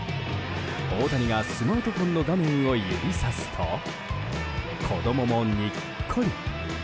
大谷がスマートフォンの画面を指さすと子供もにっこり。